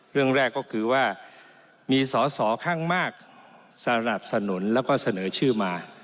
เรื่องแรกก็คือว่ามีสอสอข้างมากสนับสนุนแล้วก็เสนอชื่อมา